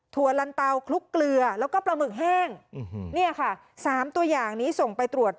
ัวลันเตาคลุกเกลือแล้วก็ปลาหมึกแห้งเนี่ยค่ะสามตัวอย่างนี้ส่งไปตรวจ